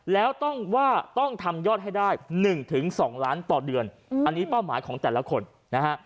แล้วต้องว่าต้องทำยอดให้ได้๑๒ล้านต่อเดือนอันนี้เป้าหมายของแต่ละคนนะฮะ